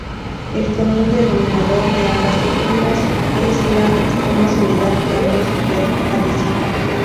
El común denominador de ambas víctimas es la extrema soledad que ambos padecen.